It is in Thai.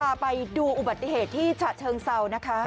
พาไปดูอุบัติเหตุที่ฉะเชิงเซานะคะ